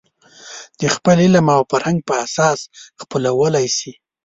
د خپل علم او فکر په اساس خپلولی شي.